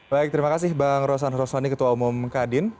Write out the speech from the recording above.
baik terima kasih bang rosan roslani ketua umum kadin